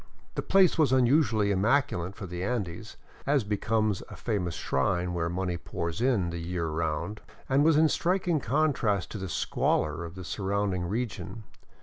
The place was unusually immaculate for the Andes, as becomes a famous shrine where money pours in the year around, and was in strik ing contrast to the squalor of the surrounding region.